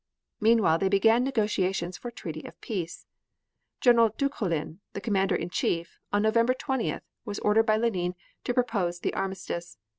Meanwhile they began negotiations for a treaty of peace. General Dukholin, the Commander in Chief, on November 20th, was ordered by Lenine to propose the armistice.